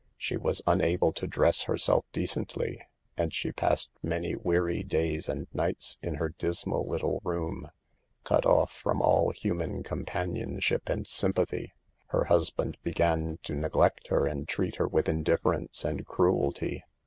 She was unable to dress herself decently, and she passed many weary days and nights in her dismal little room, cut off from all human com panionship and sympathy. Her husband began to neglect her and! treat her with indifference and cruelty.